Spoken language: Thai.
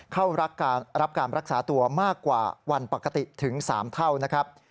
เข้ารับการรักษาตัวมากกว่าวันปกติถึง๓เท่านะครับ